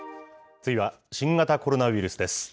次は新型コロナウイルスです。